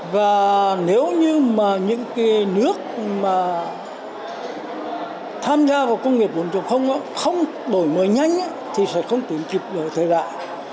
và nếu như mà những cái nước mà tham gia vào công nghiệp bốn không đổi mới nhanh thì sẽ không tính kịp đổi thời đại